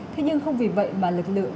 thế nhưng không vì vậy mà lực lượng